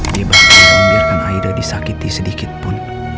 dia bahkan membiarkan aida disakiti sedikitpun